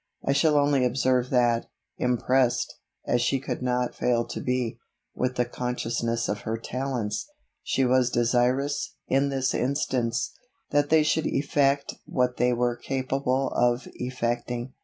I shall only observe that, impressed, as she could not fail to be, with the consciousness of her talents, she was desirous, in this instance, that they should effect what they were capable of effecting.